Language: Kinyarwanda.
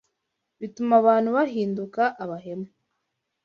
bituma abantu bahinduka abahemu